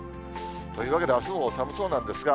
というわけで、あすも寒そうなんですが。